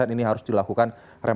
ini harus dilakukan rem dadak